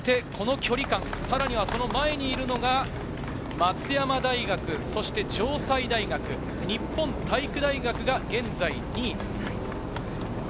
そしてこの距離感、さらに前にいるのが松山大学、城西大学、日本体育大学が現在２位。